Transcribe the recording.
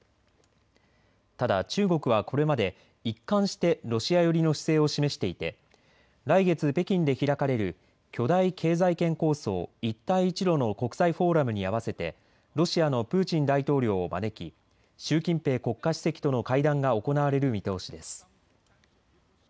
ただ、中国はこれまで一貫してロシア寄りの姿勢を示していて来月、北京で開かれる巨大経済圏構想、一帯一路の国際フォーラムに合わせてロシアのプーチン大統領を招き習近平国家主席との会談が行われる見通しです。